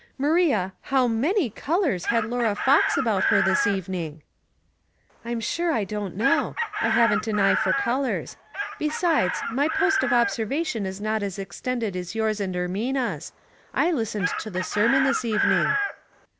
Maria, how many colors had Laura Fox about her this evening V " *'I'm sure I dont know. I haven't an eye for colors. Besides, my post of observation is not as extended as yours and Ermina's. I listened to the sermon this evening."